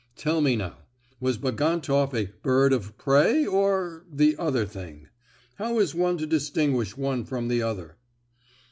Tell me now, was Bagantoff a 'bird of prey,' or—the other thing? How is one to distinguish one from the other?"